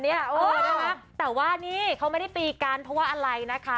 เออนะคะแต่ว่านี่เขาไม่ได้ตีกันเพราะว่าอะไรนะคะ